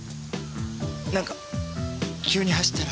なんか急に走ったら腰。